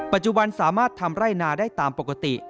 ปัจจุบันสามารถทำไร่นาได้ตามปกติ